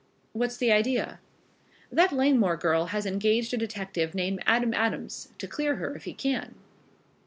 "What's the idea?" "That Langmore girl has engaged a detective named Adam Adams to clear her, if he can.